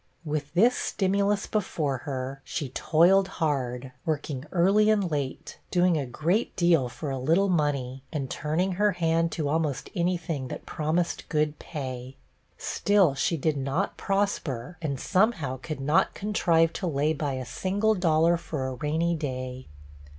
With this stimulus before her, she toiled hard, working early and late, doing a great deal for a little money, and turning her hand to almost anything that promised good pay. Still, she did not prosper, and somehow, could not contrive to lay by a single dollar for a 'rainy day.'